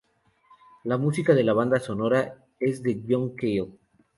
La música de la banda sonora es de John Cale.